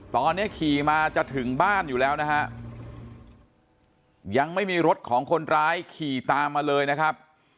ตอนนี้ขี่มาจะถึงบ้านอยู่แล้วนะฮะยังไม่มีรถของคนร้ายขี่ตามมาเลยนะครับ